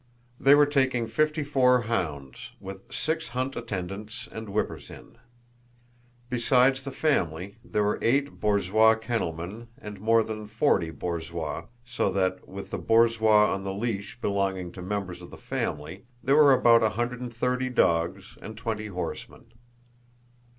They were taking fifty four hounds, with six hunt attendants and whippers in. Besides the family, there were eight borzoi kennelmen and more than forty borzois, so that, with the borzois on the leash belonging to members of the family, there were about a hundred and thirty dogs and twenty horsemen.